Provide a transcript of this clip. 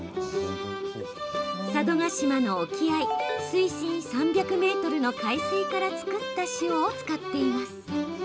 佐渡島の沖合水深３００ｍの海水から作った塩を使っています。